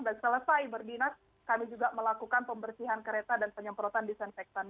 dan selesai berbinat kami juga melakukan pembersihan kereta dan penyemprotan disinfectant